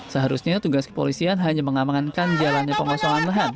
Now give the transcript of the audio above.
seharusnya tugas kepolisian hanya mengamankan jalannya pengosongan lahan